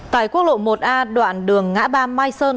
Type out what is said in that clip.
tại quốc lộ một a đoạn đường ngã ba mai sơn